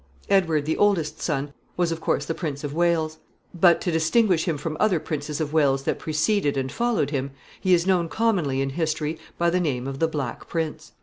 Edward, the oldest son, was of course the Prince of Wales; but, to distinguish him from other Princes of Wales that preceded and followed him, he is known commonly in history by the name of the Black Prince.